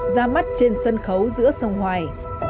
ra mắt trên sân khấu giữa sông hoài